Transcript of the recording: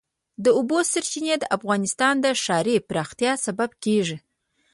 د اوبو سرچینې د افغانستان د ښاري پراختیا سبب کېږي.